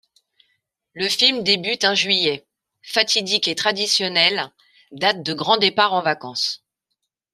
Le film débute un juillet, fatidique et traditionnelle date de grand départ en vacances.